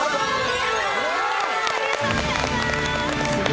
ありがとうございます！